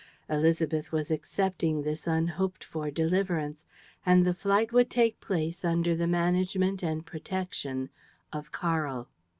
Élisabeth was accepting this unhoped for deliverance. And the flight would take place under the management and protection of Karl!